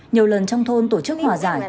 nhiều lần trong thôn tổ chức hòa giải